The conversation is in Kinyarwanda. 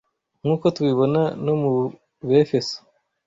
nkuko tubibona no mu Befeso